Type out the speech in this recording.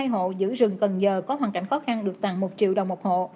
ba mươi hai hộ giữ rừng cần giờ có hoàn cảnh khó khăn được tặng một đồng một hộ